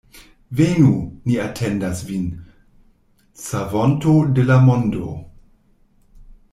Venu, ni atendas vin, Savonto de la mondo.